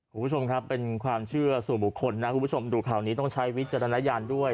คุณผู้ชมครับเป็นความเชื่อสู่บุคคลนะคุณผู้ชมดูข่าวนี้ต้องใช้วิจารณญาณด้วย